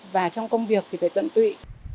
và trong công việc thì phải tận tụy